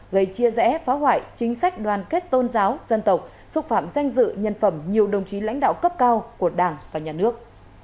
gây chia rẽ phá hoại chính sách đoàn kết tôn giáo dân tộc xúc phạm danh dự nhân phẩm nhiều đồng chí lãnh đạo cấp cao của đảng và nhà nước